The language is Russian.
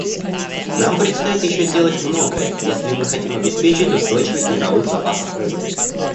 Нам предстоит еще сделать многое, если мы хотим обеспечить устойчивость мировых запасов рыбы.